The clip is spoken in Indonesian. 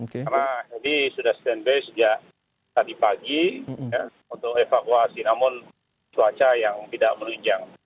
karena ini sudah standby sejak tadi pagi untuk evakuasi namun cuaca yang tidak menunjang